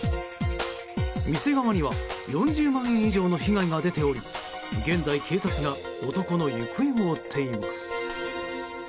店側には４０万円以上の被害が出ており現在、警察が男の行方を追っています。